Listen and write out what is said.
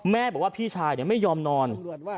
แม่บอกว่าพี่ชายไม่ยอมนอน